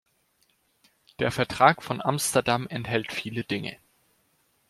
Der Vertrag von Amsterdam enthält viele Dinge.